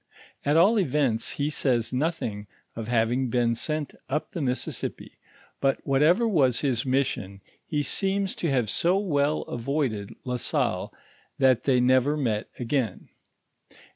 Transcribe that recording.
At all events, he says nothing of having been sent up the Missiesippi ; but what ever was his mission, he seems to have so well avoided La Salle, that thoy never met again.